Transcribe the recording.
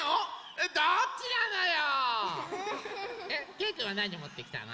けいくんはなにもってきたの？